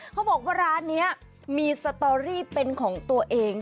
เขาบอกว่าร้านนี้มีสตอรี่เป็นของตัวเอง